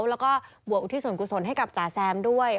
แล้วก็บวกอุทิศส่วนกุศลให้กับจ๋าแซมด้วย